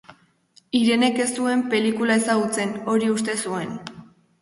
Irenek ez zuen pelikula ezagutzen, hori uste zuen.